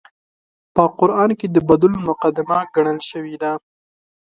په قران کې د بدلون مقدمه ګڼل شوې ده